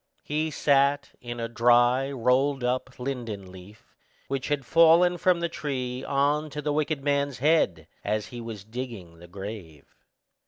He sat in a dry rolled up linden leaf, which had fallen from the tree on to the wicked man's head, as he was digging the grave.